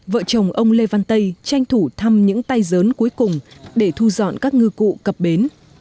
vợ chồng ông lê văn tây tranh thủ thăm những tay giớn cuối cùng để thu dọn các ngư cụ cập bến